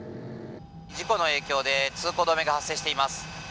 事故の影響で通行止めが発生しています。